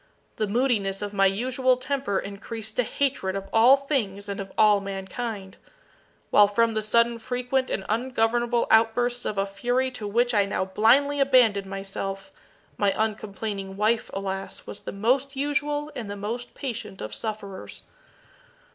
The moodiness of my usual temper increased to hatred of all things and of all mankind; while from the sudden frequent and ungovernable outbursts of a fury to which I now blindly abandoned myself, my uncomplaining wife, alas! was the most usual and the most patient of sufferers.